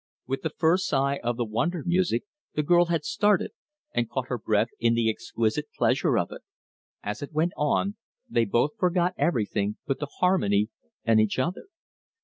With the first sigh of the wonder music the girl had started and caught her breath in the exquisite pleasure of it. As it went on they both forgot everything but the harmony and each other.